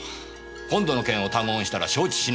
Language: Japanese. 「今度の件を他言したら承知しない」。